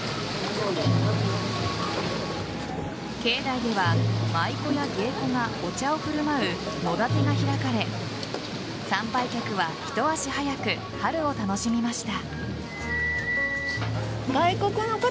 境内では舞妓や芸妓がお茶を振る舞う野点が開かれ参拝客はひと足早く春を楽しみました。